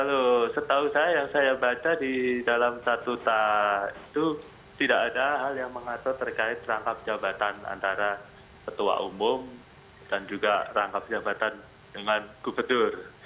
kalau setahu saya yang saya baca di dalam satu ta itu tidak ada hal yang mengatur terkait rangkap jabatan antara ketua umum dan juga rangkap jabatan dengan gubernur